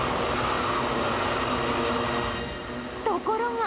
ところが。